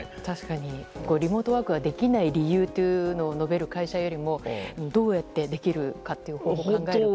リモートワークができない理由というのを述べる会社よりもどうやってできるかということを考えるほうが。